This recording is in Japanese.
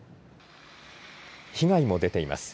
被害も出ています。